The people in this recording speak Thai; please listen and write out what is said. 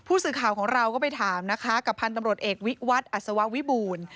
ผู้สื่อข่าวของเราก็ไปถามนะคะกับพันธุ์ตำรวจเอกวิวัตรอัศววิบูรณ์